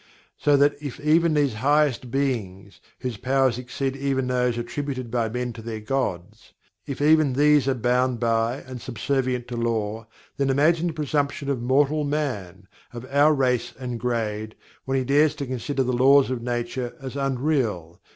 So that if even these highest Beings, whose powers exceed even those attributed by men to their gods if even these are bound by and are subservient to Law, then imagine the presumption of mortal man, of our race and grade, when he dares to consider the Laws of Nature as "unreal!"